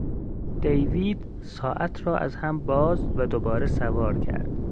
دیوید ساعت را از هم باز و دوباره سوار کرد.